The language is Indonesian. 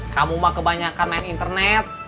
kamu mah kebanyakan main internet